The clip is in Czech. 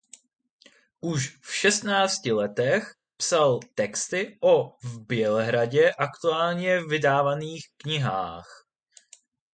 Už v šestnácti letech psal texty o v Bělehradě aktuálně vydávaných knihách.